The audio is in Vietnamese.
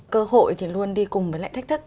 cơ hội thì luôn đi cùng với lại thách thức